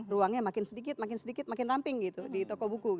ruangnya makin sedikit makin sedikit makin ramping gitu di toko buku